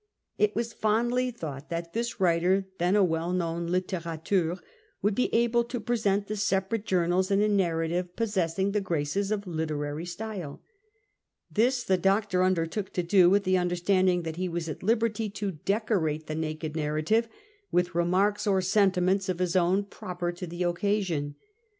It wa^ fondly thought that this writer, then a well known lUtiraieur, would be able to present the separate journals in a narrative possessing the graces of literary style. This the doctor undertook to do, with the understanding that he was at liberty to decorate the naked narrative with remarks or sentiments of his own proper to the occasion.